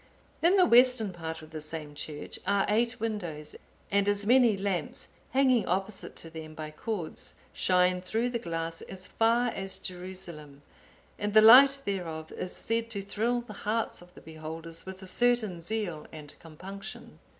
In the western part of the same church are eight windows; and as many lamps, hanging opposite to them by cords, shine through the glass as far as Jerusalem; and the light thereof is said to thrill the hearts of the beholders with a certain zeal and compunction.